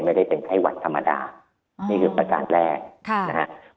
ไม่ได้เป็นไข้หวัดธรรมดานี่คือประการแรกนะครับ